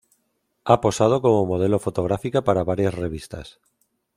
Ha posado como modelo fotográfica para varias revistas.